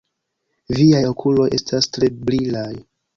Viaj okuloj estas tre brilaj!